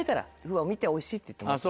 見て「おいしい」って言ってもらったら？